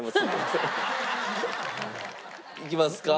いきますか。